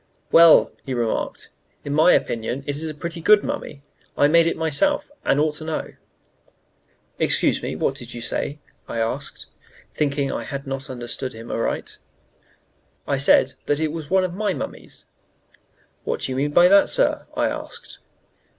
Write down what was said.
"Well," he remarked, "in my opinion, it is a pretty good mummy. I made it myself, and ought to know." "Excuse me, what did you say?" I asked, thinking I had not understood him aright. "I said that was one of my mummies." "What do you mean by that, sir?" I asked.